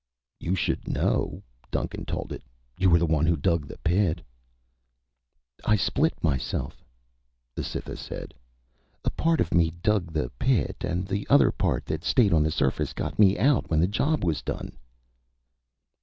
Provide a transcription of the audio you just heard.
"You should know," Duncan told it. "You were the one who dug the pit." "I split myself," the Cytha said. "A part of me dug the pit and the other part that stayed on the surface got me out when the job was done."